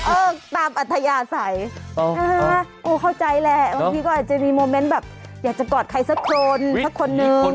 เออตามอัทยาใสอ๋อเข้าใจแหละอยากจะมีโมเม้นต์แบบอยากจะกอดใครสักคนสักคนหนึ่ง